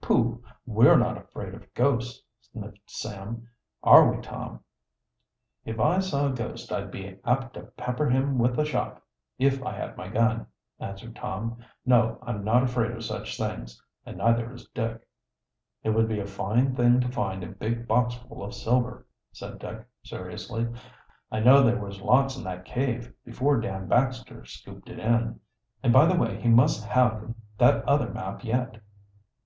"Pooh! we're not afraid of ghosts," sniffed Sam. "Are we, Tom?" "If I saw a ghost, I'd be apt to pepper him with shot, if I had my gun," answered Tom. "No, I'm not afraid of such things and neither is Dick." "It would be a fine thing to find a big boxful of silver," said Dick seriously. "I know there was lots in that cave, before Dan Baxter scooped it in. And, by the way, he must have that other map yet."